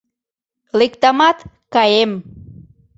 Лектамат каем.